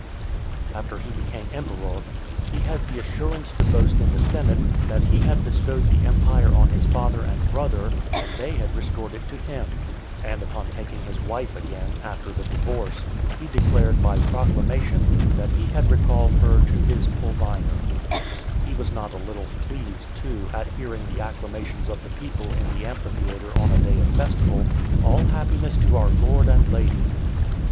XIII. After he became emperor, he had the assurance to boast in the senate, "that he had bestowed the empire on his father and brother, and they had restored it to him." And upon taking his wife again, after the divorce, he declared by proclamation, "that he had recalled her to his pulvinar." He was not a little pleased too, at hearing the acclamations of the people in the amphitheatre on a day of festival, "All happiness to our lord and lady."